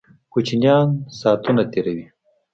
کوچینان ساتونه تیروي